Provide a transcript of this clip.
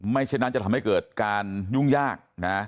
เช่นนั้นจะทำให้เกิดการยุ่งยากนะ